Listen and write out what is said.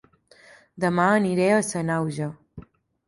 Dema aniré a Sanaüja